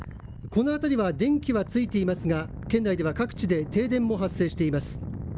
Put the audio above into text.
この辺りは電気はついていますが県内では各地で停電も発生しています。